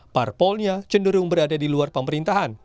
parpolnya cenderung berada di luar pemerintahan